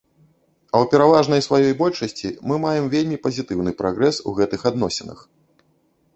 А ў пераважнай сваёй большасці мы маем вельмі пазітыўны прагрэс у гэтых адносінах.